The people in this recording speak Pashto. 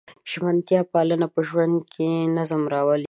ژمنتیا پالنه په ژوند کې نظم راولي.